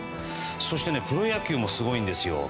そして、プロ野球もすごいんですよ。